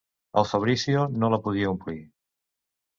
El Fabrizio no la podia omplir.